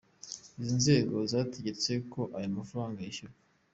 Izi nzego zategetse ko aya mafaranga yishyurwa.